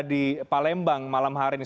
di palembang malam hari ini